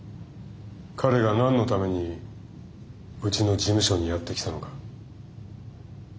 彼が何のためにうちの事務所にやって来たのか。